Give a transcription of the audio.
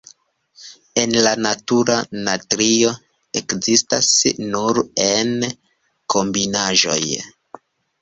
En la naturo, natrio ekzistas nur en kombinaĵoj.